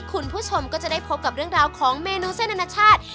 คุณผู้ชมก็จะได้พบกับเรื่องราวของเมนูเส้นอนาชาติ